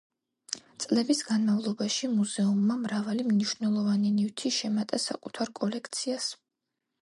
წლების განმავლობაში მუზეუმმა მრავალი მნიშვნელოვანი ნივთი შემატა საკუთარ კოლექციას.